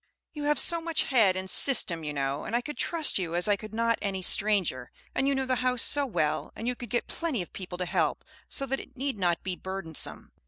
You have so much head and system, you know, and I could trust you as I could not any stranger, and you know the house so well; and you could get plenty of people to help, so that it need not be burdensome.